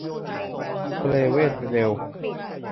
ทะเลเวดเดล